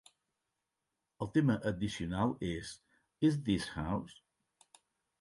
El tema addicional és "Is This House?".